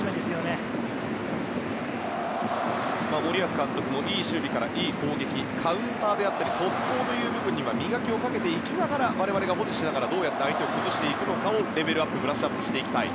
森保監督もいい守備からいい攻撃カウンターであったり速攻という部分では磨きをかけていきながら我々が保持しながらどうやって相手を崩していくのかをレベルアップブラッシュアップしていきたい